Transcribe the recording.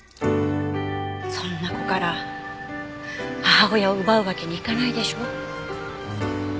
そんな子から母親を奪うわけにいかないでしょ？